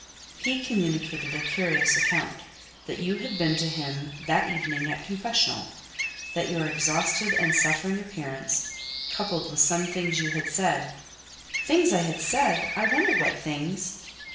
"He communicated a curious account; that you had been to him that evening at confessional; that your exhausted and suffering appearance, coupled with some things you had said—" "Things I had said? I wonder what things!"